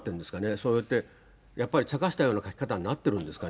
そうやってやっぱり、茶化したような書き方になってるんですかね